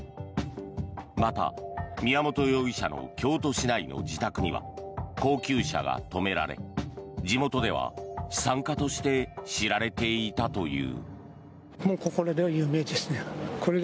また、宮本容疑者の京都市内の自宅には高級車が止められ地元では資産家として知られていたという。